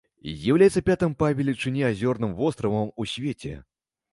З'яўляецца пятым па велічыні азёрным востравам у свеце.